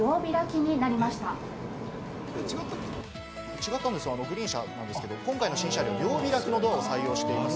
違ったんです、グリーン車なんですけれども今回の新車両は両開きのドアを採用しています。